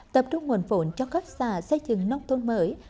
tập trung nguồn phổn cho các xã xây dựng nông thôn mới